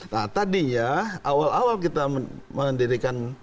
nah tadinya awal awal kita mengandalkan